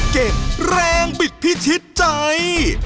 แรงบิดพิชิตใจ